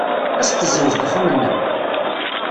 Ad as-tessenzed axxam-nnem?